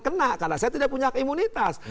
kena karena saya tidak punya imunitas